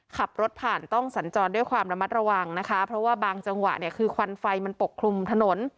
ขับรถผ่านต้องสัญจรด้วยความระมัดระวังนะคะเพราะว่าบางจังหวะเนี่ยคือควันไฟมันปกคลุมถนน